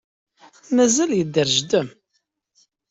Mazal yedder jeddi-m?